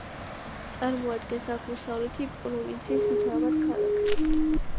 წარმოადგენს აღმოსავლეთი პროვინციის მთავარ ქალაქს.